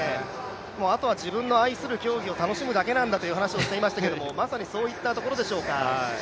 あとは自分の愛する競技を楽しむだけなんだという話をしていましたけれどもまさにそういったところでしょうか。